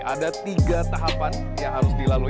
ada tiga tahapan yang harus dilalui